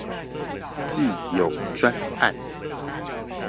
既有專案